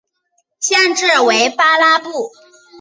县治为巴拉布。